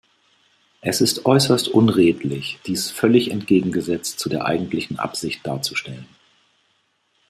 Es ist äußerst unredlich, dies völlig entgegengesetzt zu der eigentlichen Absicht darzustellen.